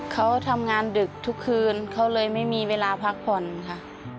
เขาทำงานดึกทุกคืนเขาเลยไม่มีเวลาพักผ่อนค่ะ